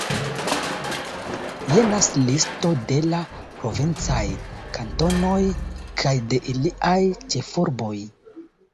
Jenas listo de la provincaj kantonoj kaj de iliaj ĉefurboj.